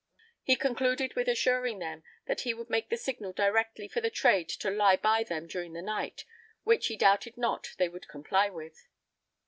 He concluded with assuring them, that he would make the signal directly for the trade to lie by them during the night, which he doubted not they would comply with.